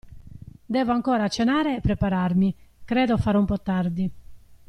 Devo ancora cenare e prepararmi, credo farò un po' tardi.